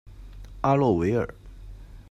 阿洛维尔。